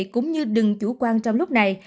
cũng như đừng chủ quan trong lúc này